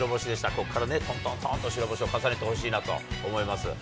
ここからね、とんとんとんと、白星を重ねてほしいなと思います。